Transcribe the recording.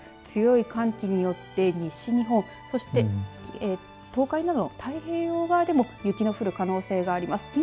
強い寒気によって、西日本そして東海などの太平洋側でも雪の降る可能性があります。